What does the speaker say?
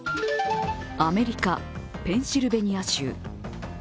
アメリカ・ペンシルベニア州。